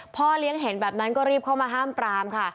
พ่อเลี้ยงเห็นแบบนั้นก็รีบเข้ามาห้ามปรามค่ะ